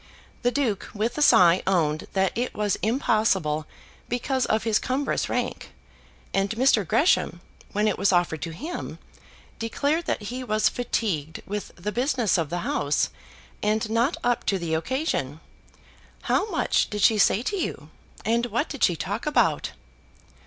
The Duke, with a sigh, owned that it was impossible, because of his cumbrous rank; and Mr. Gresham, when it was offered to him, declared that he was fatigued with the business of the House, and not up to the occasion. How much did she say to you; and what did she talk about?"